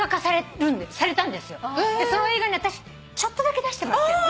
その映画に私ちょっとだけ出してもらってるの。